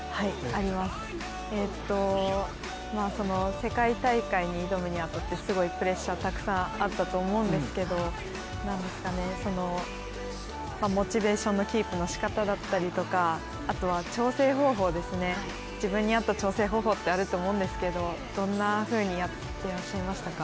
世界大会に挑むに当たって、すごいプレッシャーがたくさんあったと思うんですけど、モチベーションのキープのしかただったりとかあとは調整方法、自分に合った調整方法ってあると思うんですけどどんなふうにやってらっしゃいましたか。